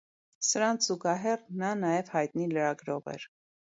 Սրանց զուգահեռ նա նաև հայտնի լրագրող էր։